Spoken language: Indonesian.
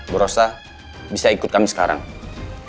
bu rosa bisa ikut kami sekarang